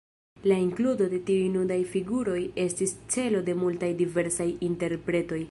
La inkludo de tiuj nudaj figuroj estis celo de multaj diversaj interpretoj.